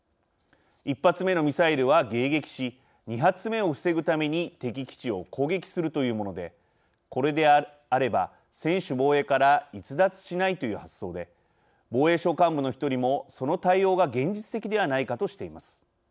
１発目のミサイルは迎撃し２発目を防ぐために敵基地を攻撃するというものでこれであれば専守防衛から逸脱しないという発想で防衛省幹部の１人もその対応が現実的ではないかとしています。